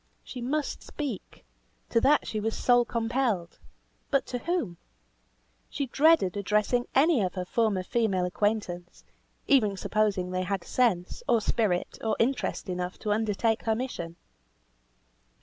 She must speak; to that she was soul compelled; but to whom? She dreaded addressing any of her former female acquaintance, even supposing they had sense, or spirit, or interest enough to undertake her mission.